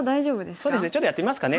そうですねちょっとやってみますかね。